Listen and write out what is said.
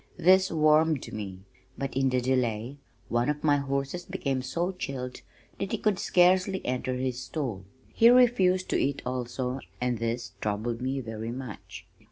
This warmed me, but in the delay one of my horses became so chilled that he could scarcely enter his stall. He refused to eat also, and this troubled me very much.